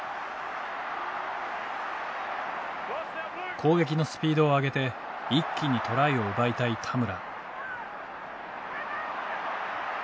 攻撃のスピードを上げて一気にトライを奪いたい田村。